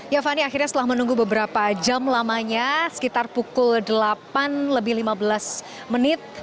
ya fani akhirnya setelah menunggu beberapa jam lamanya sekitar pukul delapan lebih lima belas menit